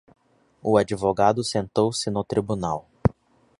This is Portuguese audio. O advogado sentou-se no tribunal.